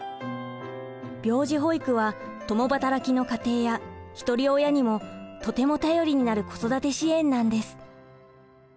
病児保育は共働きの家庭や一人親にもとても頼りになる子育て支援なんです。